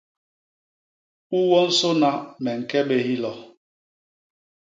U wonsôna me ñke bé hilo.